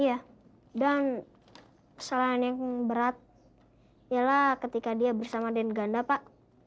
iya dan kesalahan yang berat ialah ketika dia bersama dan ganda pak